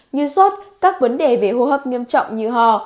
như sốt các vấn đề về hô hấp nghiêm trọng như hò